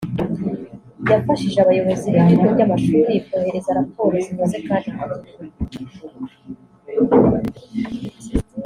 yafashije abayobozi b’ibigo by’amashuri kohereza raporo zinoze kandi ku gihe